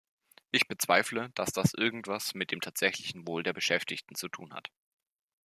Ich bezweifle, dass das irgendetwas mit dem tatsächlichen Wohl der Beschäftigten zu tun hat.